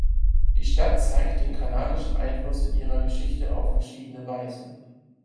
Die Stadt zeigt den kanadischen Einfluss in ihrer Geschichte auf verschiedene Weise.